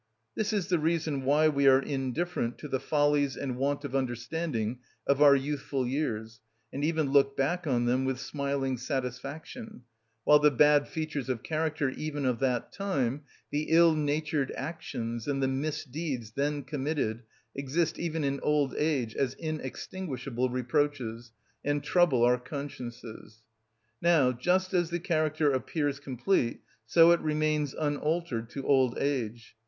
This is the reason why we are indifferent to the follies and want of understanding of our youthful years, and even look back on them with smiling satisfaction, while the bad features of character even of that time, the ill natured actions and the misdeeds then committed exist even in old age as inextinguishable reproaches, and trouble our consciences. Now, just as the character appears complete, so it remains unaltered to old age.